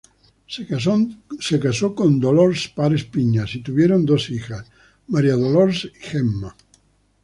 Se casó con Dolors Pares Piñas, y tuvieron dos hijas, Maria Dolors y Gemma.